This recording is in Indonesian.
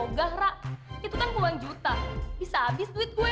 tidak ra itu kan kurang juta bisa habis duit gue